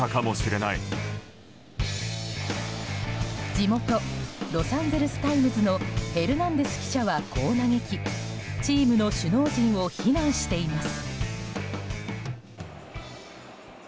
地元ロサンゼルス・タイムズのヘルナンデス記者はこう嘆きチームの首脳陣を非難しています。